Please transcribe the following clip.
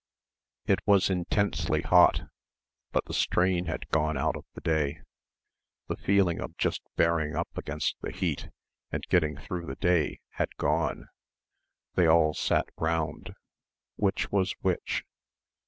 It was intensely hot, but the strain had gone out of the day; the feeling of just bearing up against the heat and getting through the day had gone; they all sat round ... which was which?...